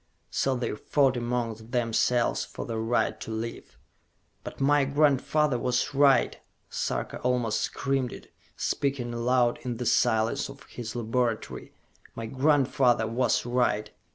So they fought among themselves for the right to live. "But my grandfather was right!" Sarka almost screamed it, speaking aloud in the silence of his laboratory. "My grandfather was right!